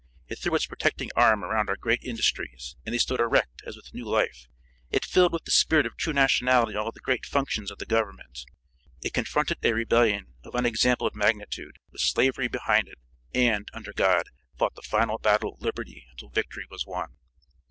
It threw its protecting arm around our great industries, and they stood erect as with new life. It filled with the spirit of true nationality all the great functions of the government. It confronted a rebellion of unexampled magnitude, with slavery behind it, and, under God, fought the final battle of liberty until victory was won.